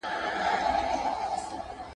• پور د محبت غيچي ده.